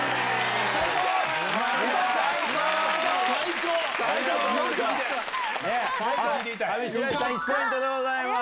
上白石さん、１ポイントでございます。